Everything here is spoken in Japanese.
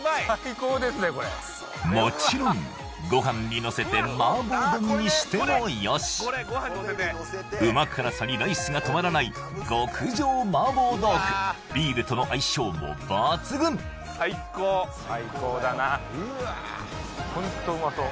もちろんご飯にのせて麻婆丼にしてもよし旨辛さにライスが止まらない極上麻婆豆腐ビールとの相性も抜群さあ